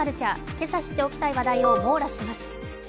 今朝知っておきたいニュースを網羅します。